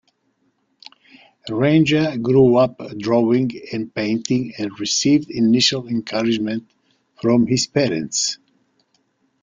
Ranger grew up drawing and painting and received initial encouragement from his parents.